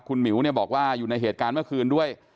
คุณหมิวบอกว่าอยู่ในเหตุการณ์เมื่อคืนด้วย